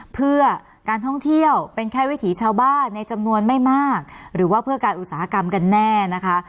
เพื่อการท่องเที่ยวเป็นแค่วิถีชาวบ้านในจำนวนไม่มากหรือว่าเพื่อการอุตสาหกรรมกันแน่นะคะ